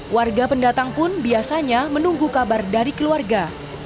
warga pendatang pun biasanya menunggu kabar dari keluarga